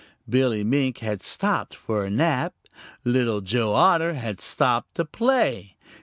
Billy Mink had stopped for a nap. Little Joe Otter had stopped to play.